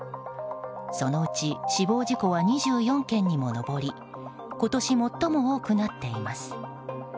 そのうち死亡事故は２４件にも上り今年最も多くなっています。